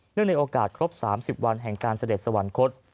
ในโอกาสครบ๓๐วันแห่งการเสด็จสวรรคต